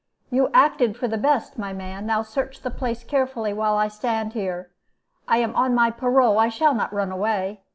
"'You acted for the best, my man. Now search the place carefully, while I stand here. I am on my parole, I shall not run away.